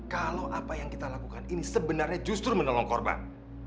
kalau apa yang kita lakukan ini sebenarnya justru menolong korban